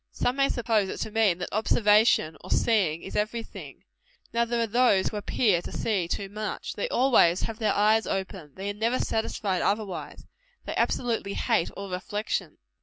Some may suppose it to mean, that observation, or seeing, is every thing. Now there are those who appear to see too much. They always have their eyes open. They are never satisfied otherwise. They absolutely hate all reflection.